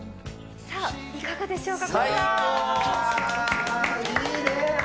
いかがでしょうか。